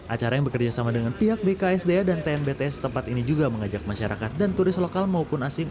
acara yang bekerjasama dengan pihak bksda dan tnbts tempat ini juga mengajak masyarakat dan turis lokal maupun asing